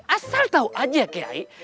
asal tau aja kiai